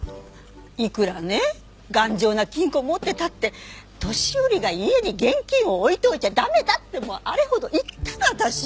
いくらね頑丈な金庫を持ってたって年寄りが家に現金を置いといちゃ駄目だってあれほど言ったの私。